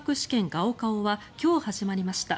高考は今日始まりました。